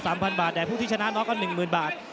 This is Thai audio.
สำหรับ๓๐๐๐บาทแต่ผู้ที่ชนะนอกก็๑๐๐๐๐บาท